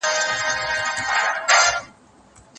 سره ورک یې کړل زامن وروڼه پلرونه